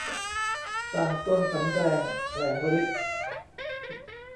ต่างตนสำแดงแผลงฤทธิ์